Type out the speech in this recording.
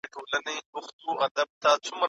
بهرنۍ پالیسي د ملي ګټو لپاره ښه وسیله ده.